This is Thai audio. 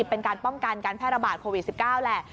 เป็นการป้องกันการแพร่ระบาดโควิด๑๙แหละ